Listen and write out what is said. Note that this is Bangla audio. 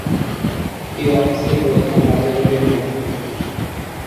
এই অফিসের প্রধান কার্যাবলী হলো